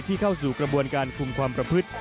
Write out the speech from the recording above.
เข้าสู่กระบวนการคุมความประพฤติ